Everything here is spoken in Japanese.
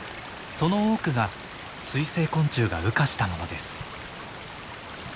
その多くが水生昆虫が羽化したものです。